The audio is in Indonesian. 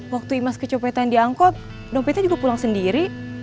waktu imaz kecopetan diangkut dompetnya juga pulang sendiri